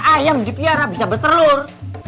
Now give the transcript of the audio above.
ayam dipiara bisa bertelur